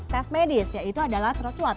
tes medis yaitu adalah tross swab